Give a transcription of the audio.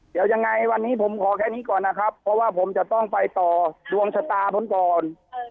เดี๋ยวยังไงวันนี้ผมขอแค่นี้ก่อนนะครับเพราะว่าผมจะต้องไปต่อดวงชะตาผมก่อน